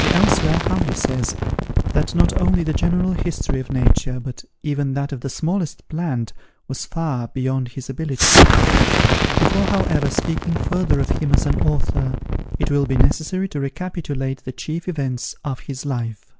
He elsewhere humbly says, that not only the general history of Nature, but even that of the smallest plant, was far beyond his ability. Before, however, speaking further of him as an author, it will be necessary to recapitulate the chief events of his life.